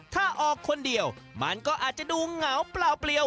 ถ้าออกคนเดียวมันก็อาจจะดูเหงาเปล่าเปลี่ยว